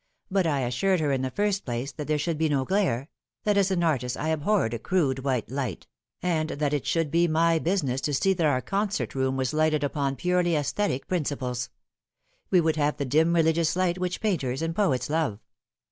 But I assured her in the first place that there should be no glare that as an artist I abhorred a crude, white light and that it should be my business to see that our concert room was lighted upon purely assthetic principles. We would have the dim religious light which painters and poets love.